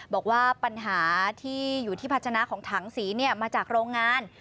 บอกว่าปัญหาที่อยู่ที่พัฒนาของถังสีมาจากโรงงาน